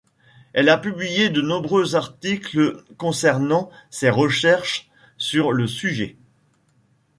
Elle a publié de nombreux articles concernant ses recherches sur le sujet.